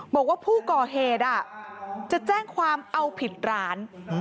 บอกว่าผู้ก่อเหตุจะแจ้งความเอาผิดร้าน